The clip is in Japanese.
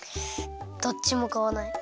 どっちもかわない。